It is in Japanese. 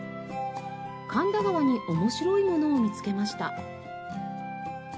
神田川に面白いものを見つけました。